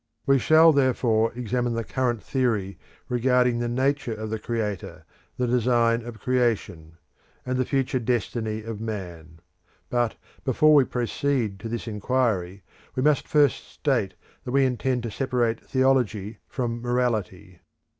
We shall therefore examine the current theory respecting the nature of the Creator, the design of Creation; and the future destiny of Man. But before we proceed to this inquiry, we must first state that we intend to separate theology from morality.